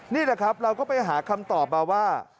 นี่แหละครับเราก็ไปหาคำตอบมาว่า